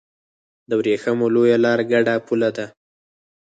د ورېښمو لویه لار ګډه پوله ده.